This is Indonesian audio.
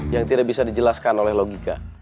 yang tidak bisa dijelaskan oleh logika